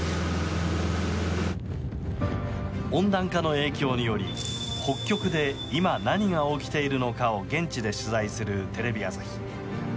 温暖化の影響により北極で今、何が起きているのかを現地で取材するテレビ朝日。